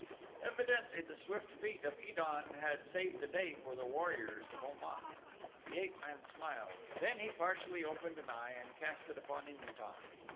Evidently the swift feet of Id an had saved the day for the warriors of Om at. The ape man smiled, then he partially opened an eye and cast it upon In tan.